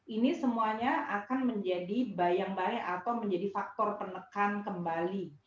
ini semuanya akan menjadi bayang bayang atau menjadi faktor penekan kembali